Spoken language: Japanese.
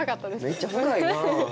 めっちゃ深いな。